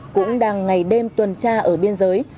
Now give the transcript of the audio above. cũng đang ngày đêm tuần tra ở biên giới